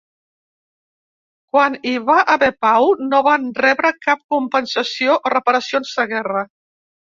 Quan hi va haver pau, no van rebre cap compensació o reparacions de guerra.